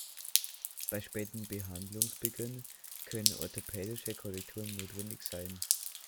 Bei spätem Behandlungsbeginn können orthopädische Korrekturen notwendig sein.